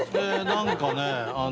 何かね